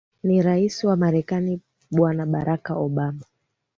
ni rais wa marekani bwana barack obama